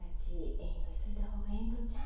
遠慮しといた方がええんとちゃう？